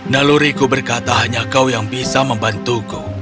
naluriku berkata hanya kau yang bisa membantuku